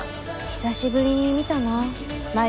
久しぶりに見たなあ。